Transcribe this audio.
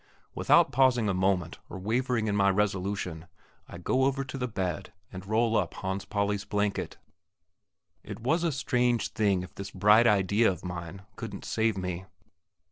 Without pausing a moment, or wavering in my resolution, I go over to the bed, and roll up Hans Pauli's blanket. It was a strange thing if this bright idea of mine couldn't save me.